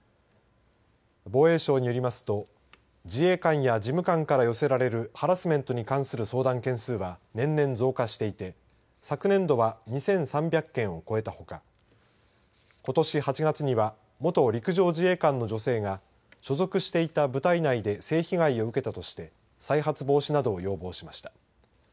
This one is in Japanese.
防衛省によりますと自衛官や事務官から寄せられるハラスメントに関する相談件数は年々、増加していて昨年度は２３００件を超えたほかことし８月には元陸上自衛官の女性が所属していた部隊内で性被害を受けたとして再発防止などを要望しました。